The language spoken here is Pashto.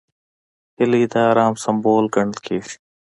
هیلۍ د ارام سمبول ګڼل کېږي